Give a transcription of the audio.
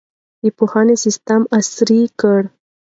د پوهنې سیستم عصري کړئ.